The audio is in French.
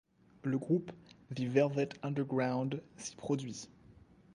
Le groupe The Velvet Underground s'y produit.